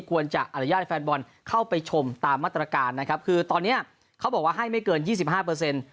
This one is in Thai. ควรจะอนุญาตให้แฟนบอลเข้าไปชมตามมาตรการนะครับคือตอนเนี้ยเขาบอกว่าให้ไม่เกินยี่สิบห้าเปอร์เซ็นต์